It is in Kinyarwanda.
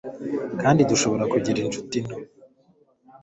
kandi dushobora kugira inshuti nto